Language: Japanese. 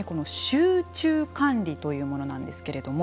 集中管理というものなんですけれども。